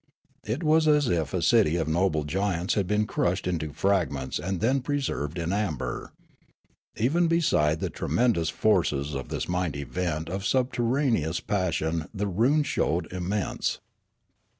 It was as if a city of noble giants had been crushed into fragments and then preserved in amber. Even beside the tremendous forces of this mighty vent of subterraneous passion the ruins showed immense.